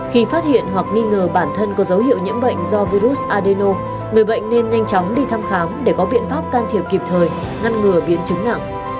khi phát hiện hoặc nghi ngờ bản thân có dấu hiệu nhiễm bệnh do virus adeno người bệnh nên nhanh chóng đi thăm khám để có biện pháp can thiệp kịp thời ngăn ngừa biến chứng nặng